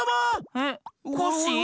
えっコッシー？